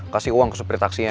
kasih uang ke supir taksinya